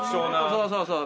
そうそうそう。